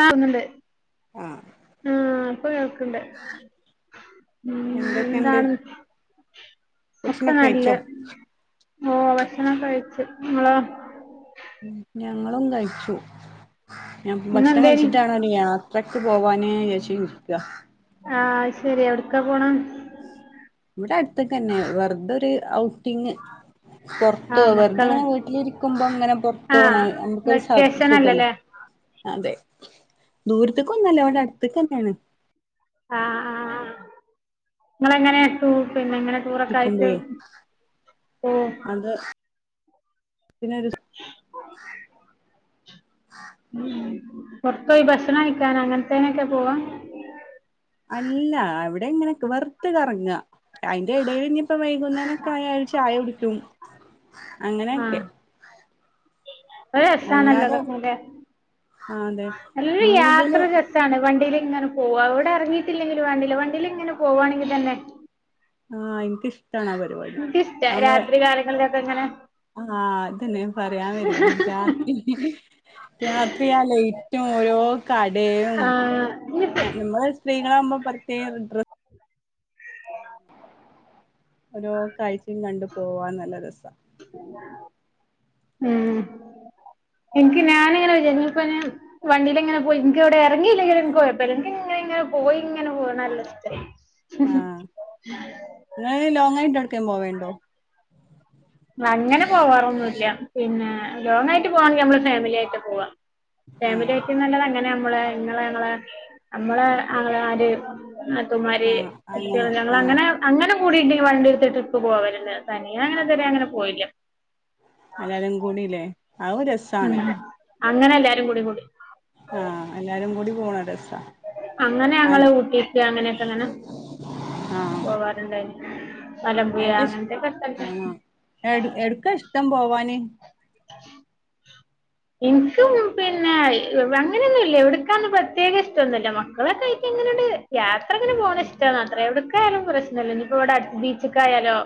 ആ ക്കുന്ന്‌ണ്ട് ആഹ് ആഹ ഇപ്പൊ കേൾക്കണ്ട്. ഉം ന്താണ്? ഭക്ഷണക്കെയ്ച്ചൊ? ഓ ഭക്ഷണം കഴിച്ച് ഇങ്ങളോ? ഞങ്ങളും കഴിച്ചു ഞപ്പോ ഭക്ഷണം ഇന്നെന്തേനി കഴിച്ചിട്ടാണ് അന യാത്രയ്ക്ക് പോവാനിചാരിച്ച് നിക്കാ. ആഹ് ശെരി എവിട്ക്ക പോണ് ഇവിടെ അടുത്തക്കെന്നെ വെറതൊരു ഔട്ടിങ്ങ് പുറത്ത് ആഹ് മക്കള് വെറുതെങ്ങനെ വീട്ടിലിരിക്കുമ്പോ അങ്ങനെ പുറത്ത് പോണം നമുക്കൊരു [unintelligible] അല്ലല്ലേ അതെ ദൂരത്ത്ക്കൊന്നല്ല ഇവട അട്ത്ക്കന്നേണ് ആഹ് ആഹ് ഇങ്ങളെങ്ങനെട്ടു പിന്നെങ്ങനെ ടൂറക്കായിട്ട് ഇരിക്കുമ്പഴേ ഓ അത് പിന്നൊരു ഉം പൊർത്തോയി ഭക്ഷണം കഴിക്കാനാ അങ്ങൻത്തേനൊക്കെ പോവാ അല്ല അവിടെങ്ങനെ വെർതെ കറങ്ങ അയിന്റെ ഇടേല്ഞ് ഇപ്പം വൈകുന്നേരൊക്കായ ഒരു ചായകുടിക്കും അങ്ങനെയൊക്കെ ഒരു രസാണല്ലോ അല്ലാതെ അതൊക്കെല്ലെ ആ അതെ നല്ലരു യാത്ര കൂടുതല് ര സാണ് വണ്ടീലിങ്ങനെ പോവാ എവിടെഇറങ്ങിട്ടില്ലെങ്കിൽ വേണ്ടില്ല വണ്ടീലിങ്ങനെ പോവാണെങ്കിതന്നെ ആഹ് ഇൻക്ക് ഇഷ് ഇൻക്കിഷ്ടാ രാത്രി കാലങ്ങളിലൊക്കെ ഇങ്ങനെ ആഹ് അതന്നെ പറയാൻവരേനി രാത്രി രാത്രി ആ ലൈറ്റും ഓരോകടയും ആഹ് ഏ നമ്മള് സ്ത്രീകളാകുമ്പോ പ്രത്യേകഇന്റ്റസ്റ്റ് പിന്നെയോ ഒരോ കാഴ്ച്ചിം കണ്ട് പോവാൻ നല്ലരസാ മ്മ് എനിക്ക് ഞാനിങ്ങനെ വിച്ചാരിക്കും ഞ്പ്പ ഞാൻ വണ്ടീലിങ്ങനെ പോയി ഇൻക്കെവിടെ എറങ്ങിയില്ലെങ്കിലും ഇൻക് കൊഴപ്പല്ല ഇൻക്ങ്ങനെ ഇങ്ങനെ പോയി ഇങ്ങനെ പോണം നല്ലസ്റ്റ ആഹ് നിങ്ങൾ ലോങ്ങായിട്ട് എവിട്ക്കേം പോവേണ്ടോ അങ്ങനെ പോവാറൊന്നുല്ല പിന്നെ ലോങ്ങായിട്ട് പോവാണെങ്കി നമ്മള് ഫാമിലിആയിട്ട് പോവാ ആ ഫാമിലിആയിട്ടിന്നല്ലത് അങ്ങനെ അമ്മളെ ഇങ്ങളെ ങ്ങളെ നമ്മളെ ആങ്ങളമാര് നാത്തൂമാര് ആ കുട്ട്യേൾ അങ്ങനെ ഞങ്ങൾ ആ അങ്ങനെ അങ്ങനെ കൂടീട്ട് വണ്ടിട്ത്ത് ട്രിപ്പ് പോവലെല്ലെ തനിയ അങ്ങനെ ഇതരെ അങ്ങനെ പോയില്ല അല്ലാരും കൂടിലെ അതൊരു രസാ ഉം അങ്ങനെ എല്ലാരുംകൂടി കൂടി ആഹ് എല്ലാരുംകൂടി പോണരസാ അങ്ങനെ ഞങ്ങള് ഊട്ടിക്ക് അങ്ങനെയൊക്കെങ്ങനെ ആ പോകാറുണ്ടായിരുന്നു. മലമ്പുഴ എന്റെ ഇഷ് അങ്ങൻതൊക്കെ സ്ഥലത്ത് ആണോ എട് എട്ക്കാ ഇഷ്ടം പോവാന് ഇൻക്കും പിന്നെ അങ്ങനെയൊന്നുല്ല എവിടുക്കാന്ന് പ്രത്യേക ഇഷ്ടൊന്നുല്ല മക്കളൊക്കായിട്ട് ഇങ്ങനെണ്ട് യാത്രങ്ങനെ പോണ ഇഷ്ടാ എവിട്ക്കായാലും പ്രശ്നല്ല ഇനിപ്പോ ഇവിട അട് ബീച്ചിക്കായാലോ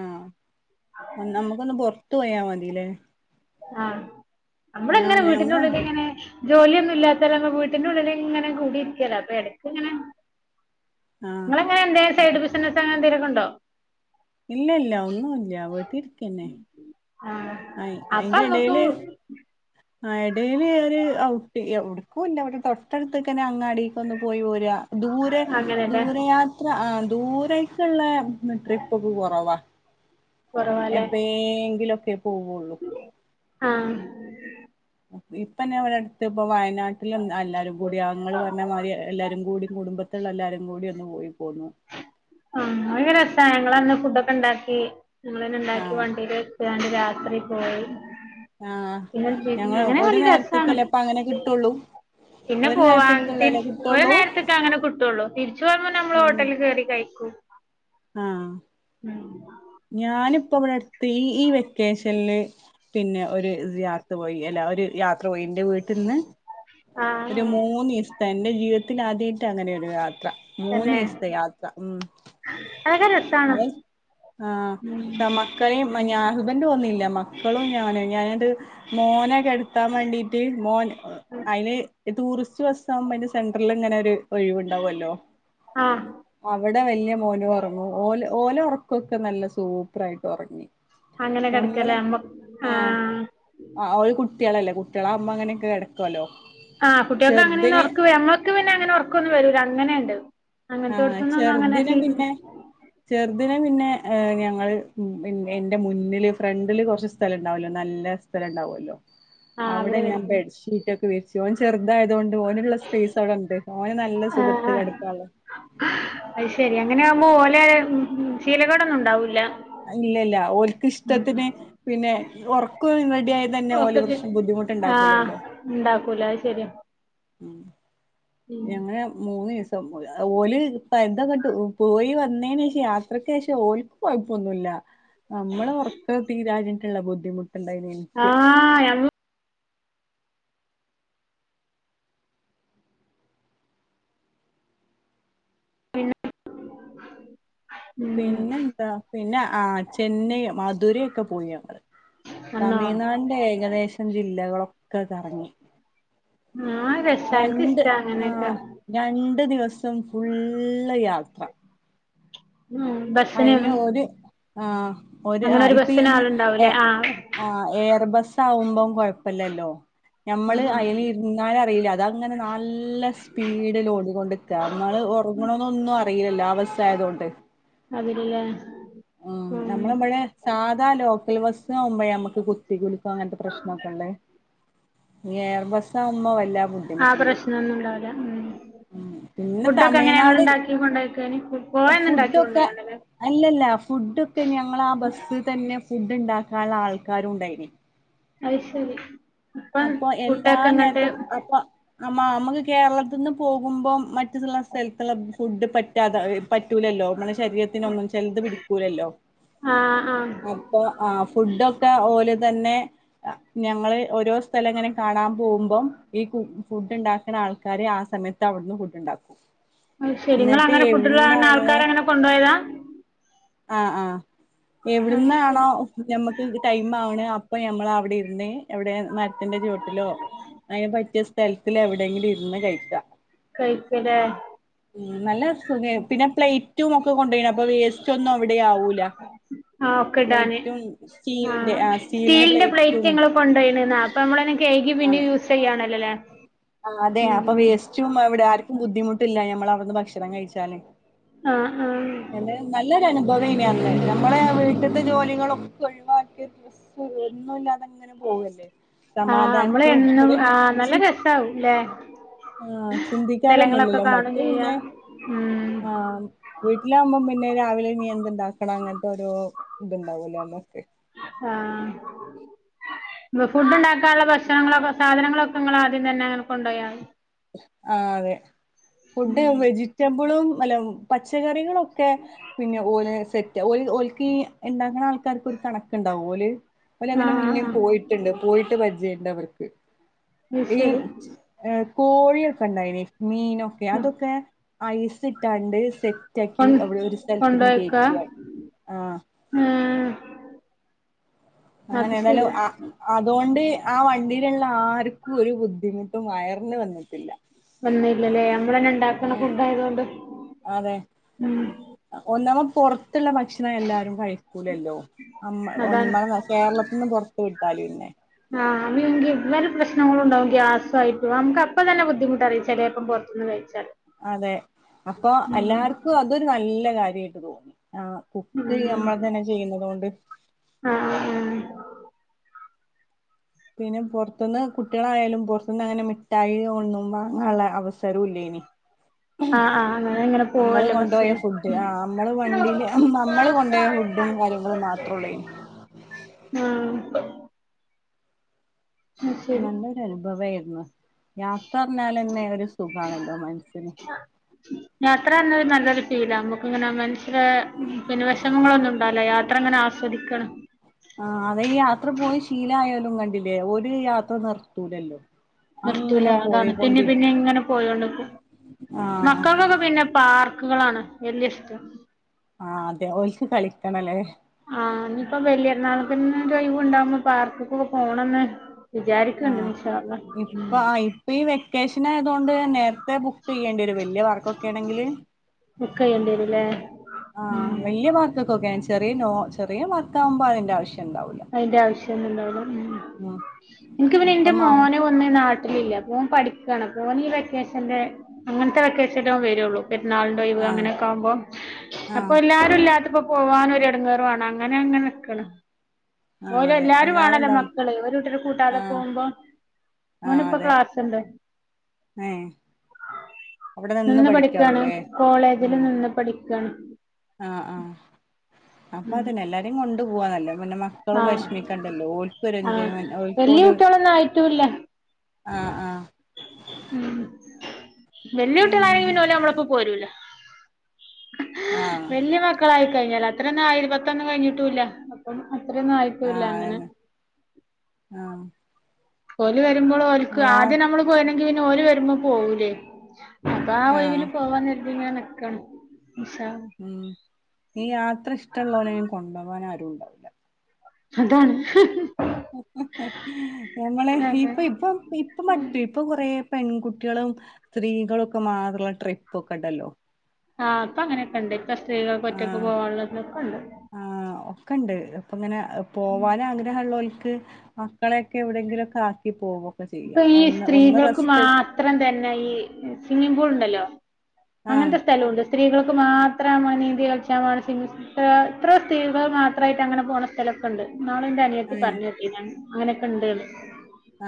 ആഹ് നമുക്കൊന്ന് പൊർത്ത് പോയാമതിലേ ആഹ് നമ്മളിങ്ങനെ വീട്ടിന്റെ ഞങ്ങള് ഉള്ളിൽ ഇങ്ങനെ ജോലി ഒന്നും ഇല്ലാത്തര് ഒക്കെ വീട്ടിന്റെ ഉള്ളിലിങ്ങനെ കുടിര്കല്ലെ അപ്പൊ എടക്ക് ഇങ്ങനെ ആഹ് ഇങ്ങളങ്ങനെ എന്തേലും സൈഡ് ബിസിനസ് അങ്ങനെ എന്തെലൊക്കെണ്ടോ ഇല്ല ഇല്ല ഒന്നുല്ല വെറുതെ ഇരിക്കന്നെ ആഹ് അപ്പമ്മക്കൂ എടയില് ഒര് ഔട്ടിങ്ങ് എവ്ട് ക്കൂല്ല ഇവടെ തൊട്ടടുത്ത് നിക്കന അങ്ങാടികൊന്ന് പോയി വോര ദൂരെ അങ്ങനെല്ലേ ദൂരെ യാ ത്ര ആ ദൂരെക്കുള്ള ട്രിപ്പ് ഒക്കെ കുറവാ കുറവാല്ലേ എപ്പെങ്കിലൊക്കെ പോവുള്ളൂ ആഹ് ഇപ്പന്നെ ഞാവടെഅട്ത്ത് ഇപ്പ വയന നാട്ടിലെ എല്ലാരുംകൂടി ഇങ്ങള് പറഞ്ഞമാരി എല്ലാരുംകൂടി കുടുംബ ത്ത്ള്ള എല്ലാരുംകൂടി ഒന്ന് പോയിപോന്നു ആഹ് ഭയങ്കരസാ ഞങ്ങളന്ന് ഫുഡൊക്കെണ്ടാക്കി ഞങ്ങളന്നെണ്ടാക്കി ആഹ് വണ്ടീല് ട്ട്കാണ്ട് രാത്രിപോയി ആഹ് ഞങ്ങള് ഒരു രസാണ് നേരത്തെക്കല്ലെ അപ്പ അങ്ങനെ കിട്ടൂള്ളു. പിന്നെ പോവാണ്ടിന്- ഒരു നേരത്തേക്ക അങ്ങനെ- കിട്ടുവുള്ളു. തിരിച്ചു വരുമ്പ ഞമ്മൾ ഹോട്ടലികേറി കയിക്കും. ആഹാ... [inaudible] ഞാനിപ്പ ഇവടടുത്ത് ഈ ഈ വെക്കേഷനില്- പിന്നെ ഒരു സിയാറത്ത് പോയി, അല്ല ഒരു യാത്ര പോയി. എന്റെ വീട്ടിന്ന് ആഹ് ഒരു ആഹ് മൂന്ന് ഈസത്തെ, എന്റെ ജീവിതത്തിൽ ആദ്യായിട്ട അങ്ങനെയൊരു യാത്ര. മൂന്നീസത്തെ യാത്ര ഉം... അയക്കെരസ- അതെ ആഹ തമാ- കയെം ഞാന്, ഹസ്ബൻഡ് വന്നീല്ല. മക്കളും ഞാന് ഞാനട്ട് മോനെ കെടത്താൻ വേണ്ടിട്ട്- ത്തി മോൻ അയിന്- ഈ ടൂറിസ്റ്റ് ബസ്സാമ്പോ അതിന്റെ സെൻട്രിലിങ്ങനെ ഒരു ഒഴിവുണ്ടാവല്ലോ? ആഹ്. അവിടെ വല്യ മോനു ഒറങ്ങു ഓല്- ഓല് ഒറക്കോക്കെ നല്ല സൂപ്പറായിട്ട് ഒറങ്ങി. അങ്ങനെ ഞമ്മള് കെടക്കലാമ്പ ആഹ്... ആഹ് ഓര് കുട്ട്യാളല്ലേ കുട്ടികളാമ്പം അങ്ങനെയൊക്കെ കെടക്കുവല്ലോ. ആഹ് കുട്ടികൾക്ക് അങ്ങനൊന്ന്- ചെറുതിന് ഒറക്ക് ഞങ്ങക്ക് പിന്നെ അങ്ങനെ ഒറക്കോന്നു വരൂല്ല അങ്ങനേണ്ട്. ആഹ് അങ്ങനത്തോടത്തൂന്നൊന്നും- അങ്ങനെ സീറ്റ്. ചെറ്തിനെ പിന്നെ ഞങ്ങൾ എൻ്റെ മുന്നില് ഫ്രണ്ടില് കൊറച്ച് സ്ഥലം ഇണ്ടാവൂല്ലോ നല്ല- സ്ഥലം ഇണ്ടാവല്ലോ ആഹ് അവിടെ ഞാൻ- കിടക്കും ബെഡ്ഷീറ്റോക്കെ വിരിച്ച് ഓൻ ചെറുതായതൊണ്ട് ഓനുള്ള- സ്പേസടൊണ്ട് ഓന് നല്ല സുഖത്ത് കെടക്കാനൊള്ള. അയ് ശരി അങ്ങനാവുമ്പൊ ഓലെ ഉം ശീലകേടൊന്നും ഉണ്ടാവൂല്ല. ഇല്ല ഇല്ല ഓൽക്ക് ഇഷ്ടത്തിന്- പിന്നെ ഒറക്കും റെഡിയായതന്നെ- ഒക്കെ ഓല് കി- പ്രശ് ആ ബുദ്ധിമുട്ടുണ്ടാക്കൂലല്ലോ? ഉണ്ടാക്കൂല അയ്ശരിയാ... ! ഉം ഞങ്ങള മൂന്നീസ- ഓല് ഇപ്പ എന്തൊക്കട്ട് പോയി- വന്നേന് ശേഷം യാത്രക്കേഷം ഓ- കൊയ്പ്പൊന്നൂല്ല നമ്മള് ഒറക്ക തീരാഞ്ഞിട്ടിള്ള ബുദ്ധിമുട്ടിണ്ടായേനി- ആഹാ... പിന്ന.. പിന്നെന്താ? പിന്നെ ആഹ് ചെന്നൈ, മധുരെക്കെ പോയി ഞങ്ങള്. വന്നോ തമിഴ്നാടിന്റെ ഏകദേശം ജില്ലകളൊക്കെ കറങ്ങി. ആഹ് രസാ രണ്ട് എനിക്കിഷ്ട ആ അങ്ങനെക്കെ. രണ്ട് ദിവസം ഫുള്ള് യാത്ര. ഉം ബസ്സിനാണ്. ആഹാ ഒര് അങ്ങനെ ആഹാ... ഒരു ഇപ്പ ബസ്സിന് ഈനി ആളുണ്ടാവൂലേ ഏഹ്... ആ ആഹാ എയർ ബസ്സാവുമ്പം കൊഴപ്പില്ലല്ലോ? ആ ഞമ്മള് ആ അയിൽ- പിന്നാല അറിയില്ല അതങ്ങനെ നല്ല സ്പീഡ്ല് ഓടിക്കൊണ്ടിക്ക അമ്മള് ഒറ- ങ്ങണോനൊന്നു അറിയില്ലല്ലോ ആ ബസ്സായതോണ്ട്. അതല്ലേ? ആം ഞമ്മളമ്മളെ ഇവിടെ - സാധാ ലോക്കൽ ബസ്സാവുമ്പഴ- അമക്ക് കുത്തി കുലുക്കും, അങ്ങനത്തെ പ്രശ്നോക്കൊള്ളെ- എയർ ബസ്സാവുമ്പോ വല്ല- ആ പ്രശ്നൊന്നും ഇണ്ടാവില്ല. ഉം പിന്നെ ഫുഡ്ക്കെ എങ്ങനെങ്ങള് തമിഴ്നാട് ണ്ടാക്കി- കൊണ്ടോയ്ക്കന് ഫുഡ്പൊണ്ടാക്കി ഫുഡൊക്കെ കൊണ്ടോയണല്ലെ. അല്ലല്ല ഫുഡ്ക്കെ ഞങ്ങള് ആഹാ ബസ്സിൽ തന്നെ ഫുഡ് ഇണ്ടാക്കള്ള ആൾക്കാരും ഉണ്ടായിനി. അഹ് ശരി. ഇപ്പം അപ്പോ ഫുഡൊക്കെ ഇങ്ങോട്ട് എല്ലാനേരത്തുംഅപ്പ- അമ്മാ അമ്മക്ക് കേരളത്ത്ന്ന് പോകുമ്പോ മറ്റ് ചെല സ്ഥലത്ത്ള്ളെ ഫുഡ് പറ്റാതെ പറ്റൂലല്ലോ അമ്മളെ ശരീരത്തിനൊന്നും ചെൽത് പിടിക്കൂലല്ലോ ആഹ് ആഹ് അപ്പോ ആഹ് ഫുഡൊക്കെ ഓല് തന്നെ ഞങ്ങള് ഓരോസ് സ്ഥലങ്ങനെ കാണാം പോകുമ്പം ഈ കു ഫുഡ് ഇണ്ടാക്ണ ആൾക്കാര് ആഹ് സമയത്ത് അവിട്ന്ന് ഫുഡ് ഉണ്ടാക്കും അത് ശെരി നിങ്ങള് എന്നിട്ട് അങ്ങനെ ഫുഡ്ള്ളെ അങ്ങനെ എവിടുന്നാണോ ആൾക്കാരെങ്ങനെ കൊണ്ടോയതാ ആഹ് ആഹ് അത് എവിട്ന്നാണോ ശരി ഞമ്മക്ക് ടൈം ആക്ണ് അപ്പൊ ഞമ്മള് അവിടെ ഇരുന്ന് എവിടെ മര് ത്തിന്റെ ചോട്ടിലോ അയ്ന് പറ്റിയ സ്ഥലത്തില് എവിടെങ്കിലും ഇര് ന്ന് കഴിക്ക കഴിക്കുല്ലേ ഉം നല്ല സുഖയ് പിന്നെ പ്ലേറ്റും ഒക്കെ കൊണ്ടയ്നി അപ്പൊ വേസ്റ്റ് ഒന്നും അവിടെ ആവൂല ആ ആഹ് ഒക്കെടാന് പ്ലേറ്റും സ്റ്റീലിന്റെ ആഹ് ആ സ്റ്റീലിന്റെ പ്ലേറ്റ് പ്ലേറ്റും ഇങ്ങള് കൊണ്ടോയ്ണ് ന്നോ പ്പ നമ്മളെന്നെ കയ്കി പിന്നെയൂസയ്യാണല്ലോല്ലെ ആഹ് അതെ അപ്പം വേസ്റ്റും അവിടെ ആർക്കും ബുദ്ധിമുട്ടില്ല ഞമ്മള് അവിടുന്ന് ഭക്ഷണം കഴിച്ചാല് ആഹ് ആഹ് നല്ലൊരു അനുഭവെനി അന്ന് നമ്മളെ വീട്ട്ത്തെ ജോലികളോക്കെ ഒഴിവാക്കെച്ച് ഒന്നുല്ലാതെങ്ങനെ പോവല്ലേ ആഹ് നമ്മള് എന്നും സമാധാനത്തോടെ ആഹ് ച് [unintelligible] ആഹ് സ്ഥലങ്ങളൊക്കെ ചിന്തിക്കാനൊന്നുല്ലല്ലൊ കാണും മട്ട് ചെയ്യാ പിന്നെ ഉം ആഹ് വീട്ടിലാകുമ്പോം പിന്നെ രാവിലെ ഇനി എന്ത്‌ ഇണ്ടാക്കണം അങ്ങൻത്തെ ഓരോ ഇത്ണ്ടാവല്ലോ ല്ലെ ആഹ് ഫുഡ്ണ്ടക്കാള്ളെ ഭക്ഷണങ്ങളൊക്കെ സാധനങ്ങളൊക്കെ നിങ്ങള് ആദ്യം തന്നെ അങ്ങനെ കൊണ്ടോയൊ ആഹ് അതെ ഫുഡ് വെജിറ്റബിളും അല്ല പച്ചക്കറികളൊ ക്കെ പിന്നെ ഓലെന്നെ സെറ്റ ഓ ഓൽ‌ക്കി ഇണ്ടാക്ക്‌ണ [unintelligible] കണക്ണ്ടാവും ഓല് ഓലതിന് ആഹ് മുന്നേ ആഹ് പോയി ട്ട്ണ്ട് പോയിട്ട് പരിചയണ്ട് അവർക്ക് അത് ഈ ശരി എ കോഴിക്കെ ഇണ്ടായിനി മീനൊക്കെ അതൊക്കെ ഐസ് ഇട്ടാണ്ട് കൊ സെറ്റാക്കി അവിടെ ഒരു സ്ഥലത്ത്ന്ന് കയറ്റാണ്ട് ആഹ് ഹേ അങ്ങനെണല്ലോ ആഹ് അതൊണ്ട് ആഹ് വണ്ടില്ള്ള ആർക്കും ഒരു ബുദ്ധിമുട്ടും വയറിന് വന്നിട്ടില്ല വന്നില്ലല്ലേ അമ്മളന്നെ ഇണ്ടാക്ണ ഉം ഫുഡ് ആയതൊണ്ട് ഒന്നാമെ പൊർത്ള്ളെ ഭക്ഷണം എല്ലാരും കഴി ക്കൂലല്ലോ അമ്മ അതാണ് ഒന്ന കേരളത്ത്ന്ന് പോർത്ത് വിട്ടാല് പിന്നെ ആഹ് [unintelligible] വെലപ്രശ്നങ്ങളുണ്ടാവും ഗ്യാസായിട്ട് നമുക്ക് അപ്പ തന്നെ ബുദ്ധിമുട്ടറിയും ചെലെപ്പം പൊർത്ത്ന്ന് കഴിച്ചാല് അതെ അപ്പൊ എല്ലാർക്കും അതൊരു നല്ല കാര്യയിട്ട് തോന്നി ആഹ് കുക്ക് ഉം നമ്മൾതന്നെ ചെയ്യ്ണതോണ്ട് ആഹ് ആഹ് ആഹ് പിന്നെ പോർത്ത്ന്ന് കുട്ട്യാളായാലും പൊർത്തുന്ന് അങ്ങനെ മിട്ടായി ഒന്നും വാങ്ങാള്ളെ അവസരം ഇല്ലെനി ആഹ് ആഹ് അങ്ങനെ അങ്ങനെ പോവല്ലേ കൊണ്ടുപോയ ബസ്സില് ഫുഡ് ആ നമ്മള് ഉം ങ്ങള് മാത്രള്ളോനി ആഹ് അത് ശരി നല്ലൊരു അനുഭവായിരുന്നു യാത്ര അർഞാലെന്നെ ഒരു സുഖണല്ലോ മനസ്സിന് ഉ യാത്ര അർഞ്ഞാല് നല്ലൊരു ഫീലാ അമ്മക്ക് ഇങ്ങനെ മനസ്സില് പിന്നെ വെശമങ്ങളൊന്നും ഇണ്ടാവുല യാത്ര അങ്ങനെ ആസ്വ സ്വദിക്കണം ആഹ് അതേ ഈ യാത്ര പോയി ശീലയോലും കണ്ടില്ലേ ഓര് യാത്ര നിർത്തൂലല്ലോ നിർത്തൂല അങ്ങനെ അതാണ് പിന്നെ പിന്നെ പോയിക്കൊണ്ടിരിക്കും ഇങ്ങനെ പോയോണ്ട്ക്കും ആ മക്കൾക്കൊ പിന്നെ പാർക്കുകളാണ് വല്യ ഇഷ്ടം ആ അതെ ഓല്ക്ക് കളിക്കണല്ലേ ആ ഞ്ഞിയിപ്പോ വല്യരുന്നാൾക്കക്ക് ന്ന് ഒരു ഒഴിവ് ണ്ടാകുമ്പ പാർക്ക്കൊക്കെ പോണന്ന് ക്ക ണ്ട് ആഹ് ഇൻശാ അല്ലാഹ് ഇപ്പ ഇപ്പ ഈ വെക്കേഷനായതൊണ്ട് നേരത്തെ ബുക്ക് ചെയ്യേണ്ടി വരും വല്ല്യ വർക്കൊക്കെ ആണെങ്കില് ബുക്കെയ്യേണ്ടി രും ല്ലെ ഉം ഇതൊക്കൊക്കെ ചെറിയ നോ ചെറിയ വർക്കാവുമ്പോ അതിന്റെ ആവശ്യം ഇണ്ടാവൂല അയിന്റെ ആവശ്യംന്നുണ്ടാവൂല ഉം ഇൻക്ക് പിന്നെ ഇപ്പ ഇന്റെ മഴ മോന് മ്മ നാട്ടിലില്ല ഓൻ പഠിക്കാണ് ഓനീ വെക്കേഷൻല്ലെ അങ്ങനത്തെ വെക്കേഷനിലെ വേറൊള്ളൂ പെരുന്നാളിന്റെ ഒഴിവ് ആഹ് അങ്ങനെയൊക്കാവുമ്പോ അപ്പൊ ആഹ് എല്ലാരും ഇല്ലാത്തപ്പോ പോവാനൊരു ഇടങ്ങേറുണ് അങ്ങനെ അങ്ങനെ നിക്കണ് ആഹ് ഓര് അതെ എല്ലാരും ആണല്ലോ ഉണ്ടാവും മക്കള് ഒരു കൂട്ടരെ കൂട്ടാതെ ആഹ് പോകുമ്പോ ആഹ് ഓനിപ്പ അതെ ക്ലാസ്ണ്ട് ഏഹ് അവിടെ നിന്ന് പഠിക്കാണ് പഠിക്കാവൂല്ലേ കോളേജില് നിന്ന് പഠിക്കാണ് ആ ആഹ് അപ്പൊ അതന്നെ എല്ലാരേയും കൊണ്ടു പോവാനല്ലേ പിന്നെമ്മ മക്കളും ആഹ് വിഷമിക്കണ്ടല്ലോ ഓൽക്കൊരു ആഹ് ന്തെങ്കി വല്യ ഓൽക്കൊരു കുട്ടികളൊന്നും ആ ആഹ് ഉ വെല്വിട്ടിളായ പിന്നെ ഓല് നമ്മളൊപ്പം പോരൂല ആഹ് വല്യ മക്കളായി കഴിഞ്ഞാല് അത്രന്ന ഇരുപത്തൊന്നും കഴിഞ്ഞിട്ടൂല്ല അത്രന്നും ആ ആ അതന്നെ ആഹ് ഓല വരുമ്പോൾ ഓല്ക്ക് യാ ആദ്യം നമ്മള് പോയിന്നെങ്കി പിന്നെ ഓല് വരുമ്പോ പോകൂലേ അപ്പൊ ആ ആഹ് ഒഴിവില് പോവാന്നരുതി ങ്ങനെ നിക്കാണ് ഇൻശാ അ ഉം ഈ യാത്ര ഇഷ്ടള്ളൊരെ അയിന് കൊണ്ടോവാൻ ആരും ണ്ടാവൂല്ല അതാണ് ഞമ്മളെ അതെ ഇപ്പ ഇപ്പം ഇപ്പൊ മറ്റേ ഇപ്പൊ കൊറേ പെൺകുട്ടികളും സ്ത്രീകളൊക്കെ മാത്രള്ള ട്രിപ്പൊക്കെ ണ്ടല്ലോ ആഹ് ഇപ്പ അങ്ങനെക്കെ ണ്ട് ഇപ്പ സ്ത്രീകൾക്ക് ഒറ്റക്ക് പോവാനുള്ളതൊക്കെ ണ്ട് ആ ഒക്കെണ്ട് അപ്പങ്ങനെ പോവാനാഗ്രഹള്ളോർക്ക് മക്കളെക്കെ എവിടെങ്കിലൊക്കെ ആക്കി പോവൊക്കെ ചെയ്യാ ഒ ഒന്ന് റെസ്റ്റ് ത്രേം തന്നെ ഈ സ്വിമ്മി പൂൾ ണ്ടല്ലോ ആഹ് അങ്ങനത്തെ സ്ഥലൂണ്ട് സ്ത്രീകൾക്ക് മാത്രമാ നീന്തി കളിച്ചമാണെച്ചിങ്കി എ ത്ര സ്ത്രീകൾ മാത്രയിട്ട് അങ്ങനെ പോണ സ്ഥല ക്കെണ്ട് ഇന്നാളിൻ്റെ അനിയത്തി ഏഹ് പറഞ്ഞേട്ടീന്ന് അങ്ങനൊക്കെണ്ട് ന്ന്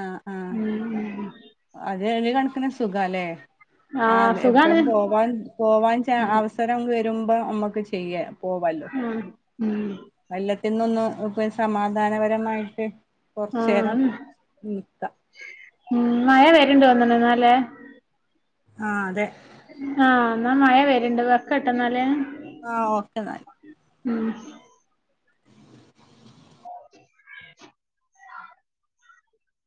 ആഹ് ആഹ് ഉം ഉം അത് ഒരു കണക്കിന് സുഖല്ലേ ആ എപ്പഴും പോവാ പോവാൻ ച അവസരം വരുമ്പോ നമ്മക്ക് ചെയ്യ പോവല്ലോ ആ ഉം കൊല്ലത്തിന്നൊന്ന് ഇപ്പ സമാധാനപരമായിട്ട് ആ കൊറച്ചേരം നിക്ക ഉ മഴ വരുണ്ട് തൊന്നുണ് ന്നാല്ലെ ആ അതെ ആഹ ന്നാ മഴ വെരുണ്ട് വെക്കട്ടാ ന്നാലേ ആ ഓക്കെ നാൽ ഉം